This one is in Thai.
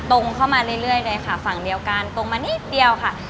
ตรงเข้ามาเรื่อยเลยค่ะฝั่งเดียวกันตรงมานิดเดียวค่ะ